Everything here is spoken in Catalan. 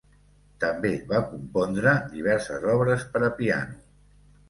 També va compondre diverses obres per a piano.